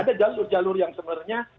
ada jalur jalur yang sebenarnya